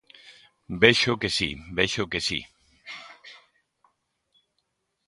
Vexo que si, vexo que si.